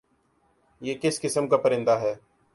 یہ کس قِسم کا پرندہ ہے؟